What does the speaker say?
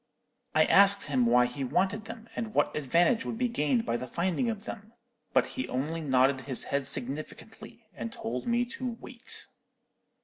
"I asked him why he wanted them, and what advantage would be gained by the finding of them, but he only nodded his head significantly, and told me to wait.